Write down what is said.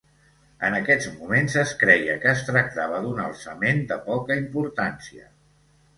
En aquests moments es creia que es tractava d'un alçament de poca importància.